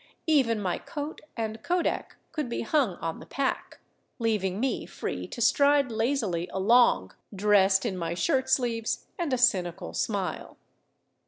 Even my coat and kodak could be hung 343 VAGABONDING DOWN THE ANDES on the pack, leaving me free to stride lazily along, dressed in my shirt sleeves and a cynical smile.